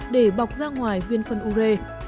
để bọc ra ngoài viên phân ure